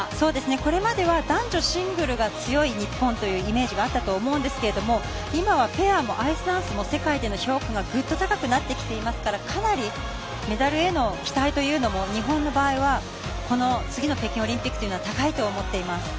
これまでは男女シングルが強い日本というイメージがあったと思うんですけど今はペアもアイスダンスも世界での評価がぐっと高くなってきていますからかなりメダルへの期待というのも日本の場合は次の北京オリンピックというのは高いと思っています。